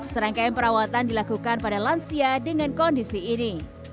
serangkaian perawatan dilakukan pada lansia dengan kondisi ini